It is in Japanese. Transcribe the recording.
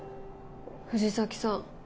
藤崎さん